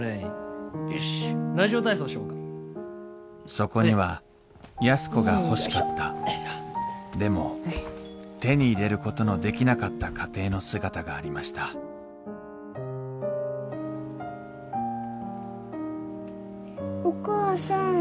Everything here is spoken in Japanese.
そこには安子が欲しかったでも手に入れることのできなかった家庭の姿がありましたお母さん。